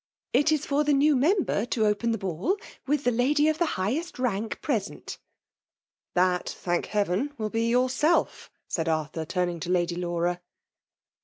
It is for the new member id open the ball, with the lady of the highest rank present" " That, thank Heaven ! will be younelf/' said Arthur, turning to Lady Laura.